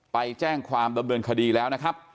ไปแจ้งความดำเนินคดีแล้ว